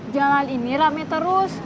jalan ini rame terus